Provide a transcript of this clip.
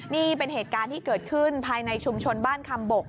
นี่เป็นเหตุการณ์ที่เกิดขึ้นภายในชุมชนบ้านคำบก